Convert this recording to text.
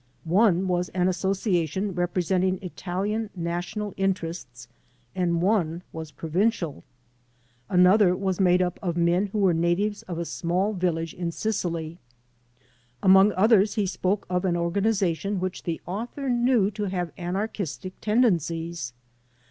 One was an association representing Italian national interests, and one was provincial. Another was made up of men who were natives of a small village in Sicily. Among others he spoke of an organization which the author knew to have anarchistic tendencies.